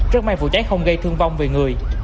rất may vụ cháy không gây thương vong về người